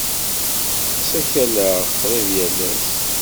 Ssakaleɣ qrib yal ass.